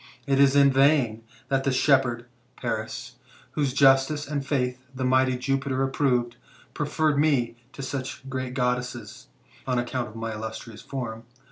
It is in vain that the shepherd [Paris], whose justice and faith the mighty Jupiter approved, preferred me to such great Goddesses^^, on account of my illustrious form.